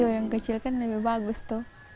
yang kecil kan lebih bagus tuh